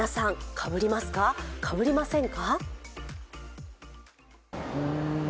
かぶりませんか？